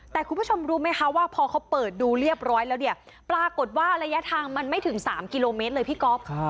แต่คุณผู้ชมรู้ไหมคะว่าพอเขาเปิดดูเรียบร้อยแล้วเนี่ยปรากฏว่าระยะทางมันไม่ถึง๓กิโลเมตรเลยพี่ก๊อฟ